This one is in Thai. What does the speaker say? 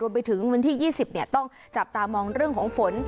รวมไปถึงวันที่ยี่สิบเนี่ยต้องจับตามองเรื่องของฝน